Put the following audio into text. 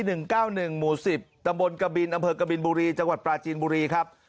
หมู่๑๐ตำบลกบินอำเภอกบินบุรีจังหวัดปลาจีนบุรีครับ